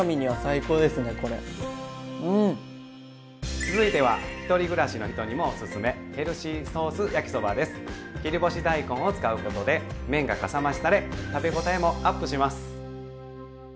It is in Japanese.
続いては１人暮らしの人にもおすすめ切り干し大根を使うことで麺がかさ増しされ食べ応えもアップします。